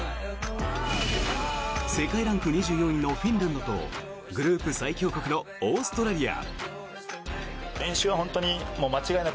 世界ランク２４位のフィンランドとグループ最強国のオーストラリア！